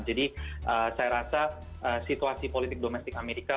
jadi saya rasa situasi politik domestik amerika